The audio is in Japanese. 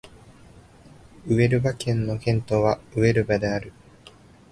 ウエルバ県の県都はウエルバである